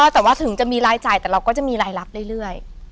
แต่ว่าถึงจะมีรายจ่ายแต่เราก็จะมีรายรับเรื่อย